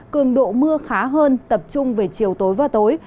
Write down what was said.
cường độ mưa khá hơn tập trung về chiều tối và tối